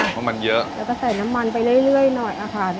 เพราะมันเยอะแล้วก็ใส่น้ำมันไปเรื่อยหน่อยค่ะ